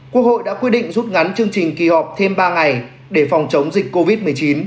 quốc hội đã quyết định rút ngắn chương trình kỳ họp thêm ba ngày để phòng chống dịch covid một mươi chín